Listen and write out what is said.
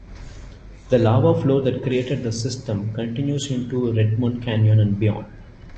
The lava flow that created the system continues into the Redmond Canyon and beyond.